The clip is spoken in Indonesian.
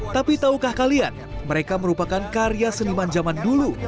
tapi tahukah kalian mereka merupakan karya seniman zaman dulu